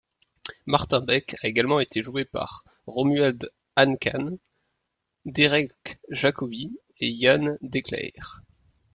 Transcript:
Martin Beck a également été joué par Romualds Ancāns, Derek Jacobi et Jan Decleir.